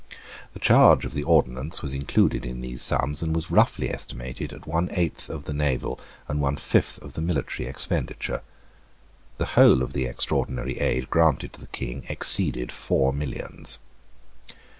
The charge of the ordnance was included in these sums, and was roughly estimated at one eighth of the naval and one fifth of the military expenditure, The whole of the extraordinary aid granted to the King exceeded four millions.